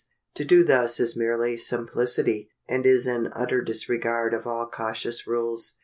To do thus is mere simplicity, and is an utter disregard of all cautious rules.